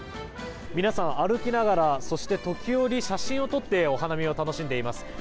皆さん、歩きながらそして、時折写真を撮ってお花見を楽しんでいます。